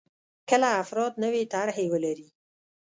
کله افراد نوې طرحې ولري.